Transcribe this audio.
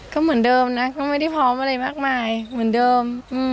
ก็เหมือนเดิมนะก็ไม่ได้พร้อมอะไรมากมายเหมือนเดิม